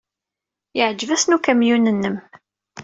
Yeɛjeb-asen ukamyun-nnem.